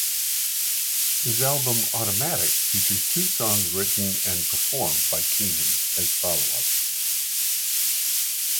His album "Automatic" features two songs written and performed by Keenan as follow-ups.